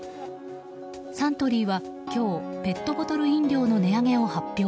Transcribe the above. サントリーは今日ペットボトル飲料の値上げを発表。